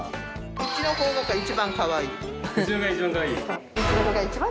うちの子が一番かわいい？